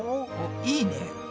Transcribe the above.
いいね。